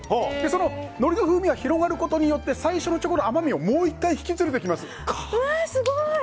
のりの風味が広がることによって最初のチョコの甘みをもう１回引き連れてきます。